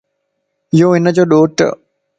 يو ھنجو ڏوٽ